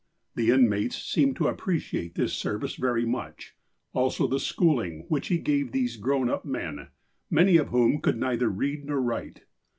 The inmates seemed to appreciate this service very much, also the schooling which he gave these grown up men, many of whom could neither read nor write.